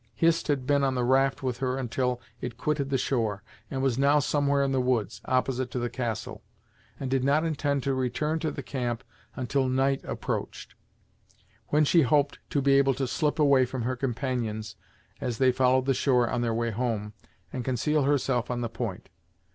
Hist had been on the raft with her until it quitted the shore, and was now somewhere in the woods, opposite to the castle, and did not intend to return to the camp until night approached; when she hoped to be able to slip away from her companions, as they followed the shore on their way home, and conceal herself on the point.